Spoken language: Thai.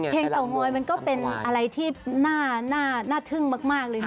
เพลงเตาง้อยมันก็เป็นอะไรที่หน้าทึ่งมากเลยนะ